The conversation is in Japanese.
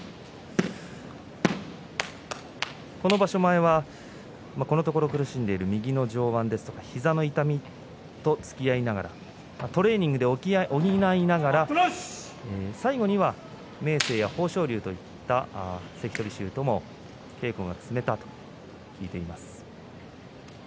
場所前はこのところ苦しんでいる右の上腕ですとか膝の痛みと、つきあいながらトレーニングで補いながら最後には、明生や豊昇龍といった関取衆とも稽古が積めたと聞いています。